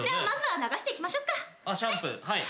シャンプーはい。